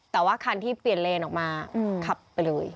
แต่ว่าคันที่เปลี่ยนเลนออกมาขับไปเลย